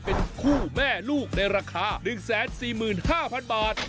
เป็นคู่แม่ลูกในราคา๑๔๕๐๐๐บาท